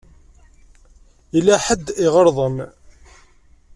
Yella ḥedd i iɣelḍen.